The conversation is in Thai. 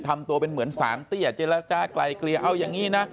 ทำตัวเป็นเหมือนสารเตี้ยเจรจากลายเกลียเอาอย่างนี้นะ